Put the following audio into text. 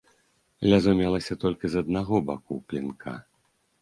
Лязо мелася толькі з аднаго баку клінка.